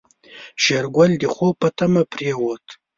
شېرګل د خوب په تمه پرېوت.